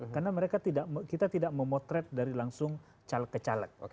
karena kita tidak memotret dari langsung caleg ke caleg